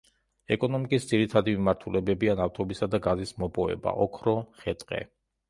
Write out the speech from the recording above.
ეკონომიკის ძირითადი მიმართულებებია ნავთობისა და გაზის მოპოვება, ოქრო, ხე–ტყე.